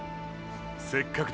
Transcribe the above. せっかくだ。